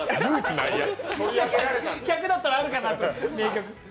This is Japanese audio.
１００だったらあるかなと思って。